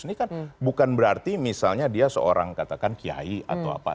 ini kan bukan berarti misalnya dia seorang katakan kiai atau apa